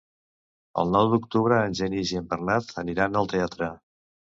El nou d'octubre en Genís i en Bernat aniran al teatre.